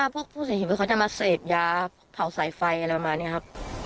พวกผู้เสียชีวิตเขาจะมาเสพยาเผาสายไฟอะไรประมาณนี้ครับ